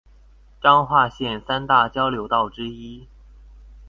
彰化縣三大交流道之一